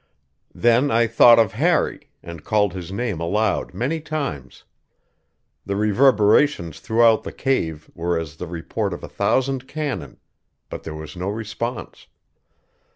Then I thought of Harry, and called his name aloud many times. The reverberations throughout the cave were as the report of a thousand cannon; but there was no response.